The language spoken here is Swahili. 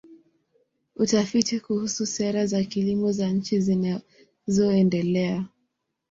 Utafiti kuhusu sera za kilimo za nchi zinazoendelea.